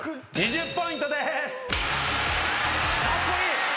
２０ポイントです。